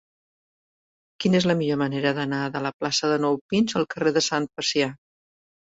Quina és la millor manera d'anar de la plaça de Nou Pins al carrer de Sant Pacià?